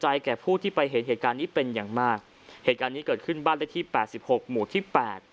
แก่ผู้ที่ไปเห็นเหตุการณ์นี้เป็นอย่างมากเหตุการณ์นี้เกิดขึ้นบ้านเลขที่แปดสิบหกหมู่ที่แปด